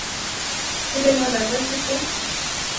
Hur länge har den varit uppe?